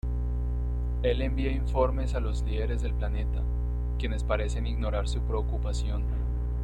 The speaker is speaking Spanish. Él envía informes a los líderes del planeta, quienes parecen ignorar su preocupación.